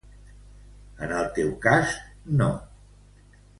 En el teu cas no.